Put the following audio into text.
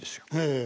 ええ。